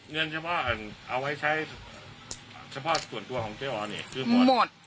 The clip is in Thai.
เงินเฉพาะเอาไว้ใช้เฉพาะส่วนตัวของเจ๊ออนเนี่ยคือหมด